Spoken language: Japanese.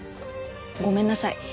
ごめんなさい。